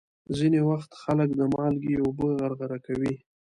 ځینې وخت خلک د مالګې اوبه غرغره کوي.